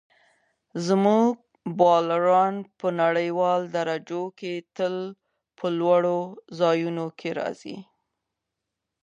زموږ بالران په نړیوالو درجو کې تل په لومړیو ځایونو کې راځي.